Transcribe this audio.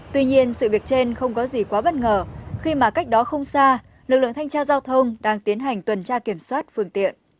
tuy nhiên sự việc trên không có gì quá bất ngờ khi mà cách đó không xa lực lượng thanh tra giao thông đang tiến hành tuần tra kiểm soát phương tiện